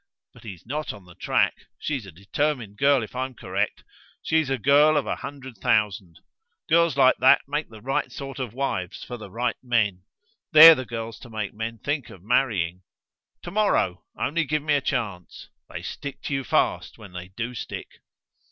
But he's not on the track. She's a determined girl, if I'm correct. She's a girl of a hundred thousand. Girls like that make the right sort of wives for the right men. They're the girls to make men think of marrying. To morrow! only give me a chance. They stick to you fast when they do stick."